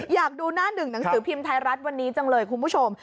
อยากดูหน้าหนึ่งหนังสือพิมพ์ไทยรัฐวันนี้จังเลยคุณผู้ชม